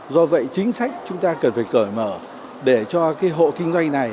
do vậy chính sách chúng ta cần phải cởi mở để cho cái hộ kinh doanh này